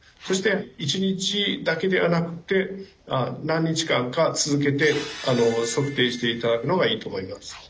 そして１日だけではなくて何日間か続けて測定して頂くのがいいと思います。